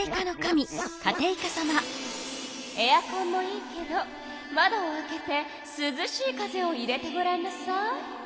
エアコンもいいけど窓を開けてすずしい風を入れてごらんなさい。